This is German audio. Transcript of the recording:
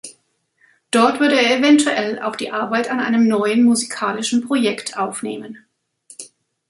Dort würde er eventuell auch die Arbeit an einem neuen musikalischen Projekt aufnehmen.